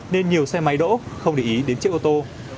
nên nhiều xe máy đỗ không để ý đến chiếc ô tô